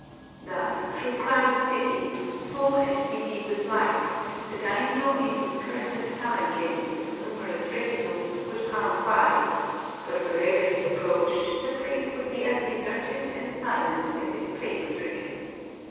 Thus through crowded cities, full and busy with life, the daimiō in his curtained palanquin, with numerous retinue, would pass by; but wherever he approached, the place would be as deserted and silent as if plague stricken.